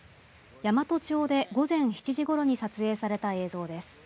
山都町で午前７時ごろに撮影された映像です。